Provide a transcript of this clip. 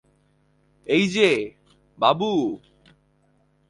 এই যে, বাবু।